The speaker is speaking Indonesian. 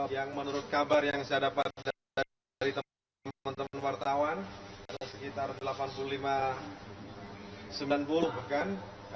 yang saya dapat dari teman teman wartawan sekitar delapan puluh lima sembilan puluh bukan